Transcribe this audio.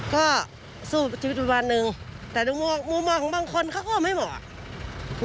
ก็สู้ชีวิตประมาณนึงแต่มุมมอลของบางคนเขาก็ไม่เหมาะ